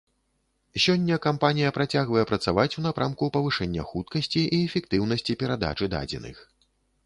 Сёння кампанія працягвае працаваць у напрамку павышэння хуткасці і эфектыўнасці перадачы дадзеных.